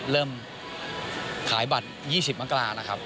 เริ่มขายบัตร๒๐มกรานะครับ